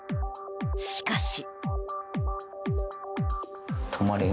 しかし。